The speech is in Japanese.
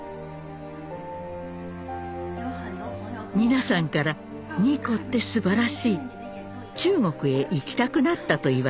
皆さんから二胡ってすばらしい中国へ行きたくなったと言われました。